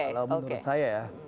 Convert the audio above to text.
kalau menurut saya ya